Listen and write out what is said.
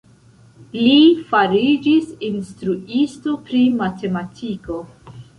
Li fariĝis instruisto pri matematiko.